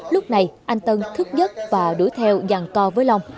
lúc này anh tân thức nhất và đuổi theo dàn co với long